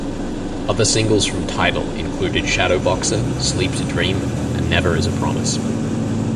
Other singles from "Tidal" included "Shadowboxer", "Sleep to Dream", and "Never Is a Promise".